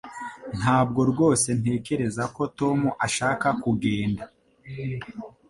Ntabwo rwose ntekereza ko Tom ashaka kugenda